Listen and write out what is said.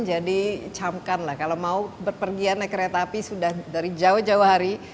camkan lah kalau mau berpergian naik kereta api sudah dari jauh jauh hari